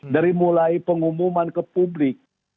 dari mulai pengumuman ke publik